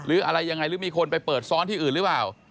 หรืออะไรยังไงหรือมีคนไปเปิดซ้อนที่อื่นหรือเปล่า